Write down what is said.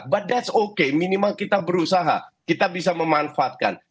tapi itu oke minimal kita berusaha kita bisa memanfaatkan